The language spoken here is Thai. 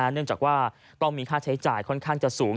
เนื่องจากว่าต้องมีค่าใช้จ่ายค่อนข้างจะสูง